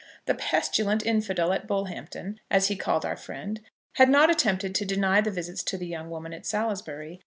The pestilent infidel at Bullhampton, as he called our friend, had not attempted to deny the visits to the young woman at Salisbury.